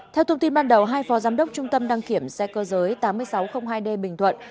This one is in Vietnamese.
theo thông tin ban đầu hai phò giám đốc trung tâm đăng kiểm xe cơ giới tám mươi sáu hai d bình thuận